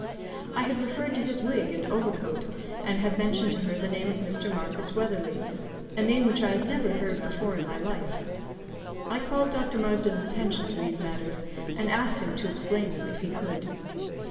I had referred to his wig and overcoat, and had mentioned to her the name of Mr. Marcus Weatherley a name which I had never heard before in my life. I called Dr. Marsden's attention to these matters, and asked him to explain them if he could.